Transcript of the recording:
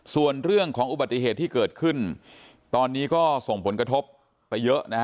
ส่วนเรื่องของอุบัติเหตุที่เกิดขึ้นตอนนี้ก็ส่งผลกระทบไปเยอะนะฮะ